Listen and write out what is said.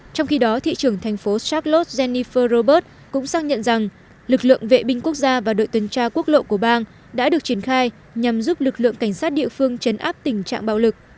trong khi đó thị trưởng thành phố charlot jenny fh robert cũng xác nhận rằng lực lượng vệ binh quốc gia và đội tuần tra quốc lộ của bang đã được triển khai nhằm giúp lực lượng cảnh sát địa phương chấn áp tình trạng bạo lực